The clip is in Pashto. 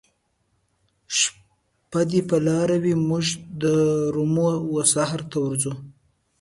شپه دي په لاره وي موږ درومو وسحرته ورځو